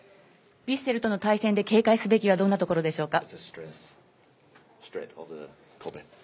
ヴィッセルとの対戦で警戒すべきはどんなところでしょうか。